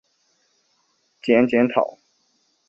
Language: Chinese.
兼检讨。